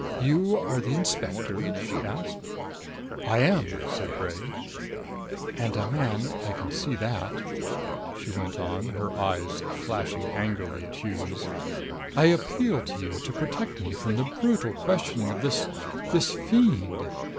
"You are the inspector?" she asked. "I am," said Bray. "And a man I can see that," she went on, her flashing angrily at Hughes. "I appeal to you to protect me from the brutal questioning of this this fiend."